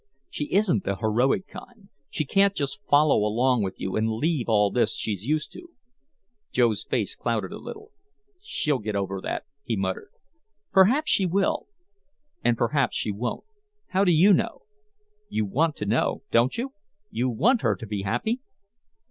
She isn't the heroic kind. She can't just follow along with you and leave all this she's used to." Joe's face clouded a little. "She'll get over that," he muttered. "Perhaps she will and perhaps she won't. How do you know? You want to know, don't you? You want her to be happy?"